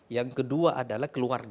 yang kedua adalah keluarga